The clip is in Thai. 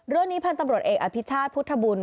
เรื่องนี้พันธ์ตำรวจเอกอภิชาติพุทธบุญ